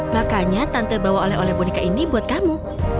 makanya tante bawa oleh oleh boneka ini buat kamu